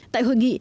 tại hội nghị